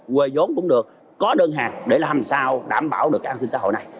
quê giống cũng được có đơn hàng để làm sao đảm bảo được cái an sinh xã hội này